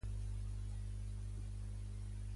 Senyor i de Madrid poca bossa i morro fi